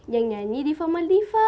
yang nyanyi diva madiva